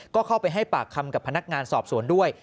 ก็เข้าไปให้ปากคำกับพนักงานสอบสวนด้วย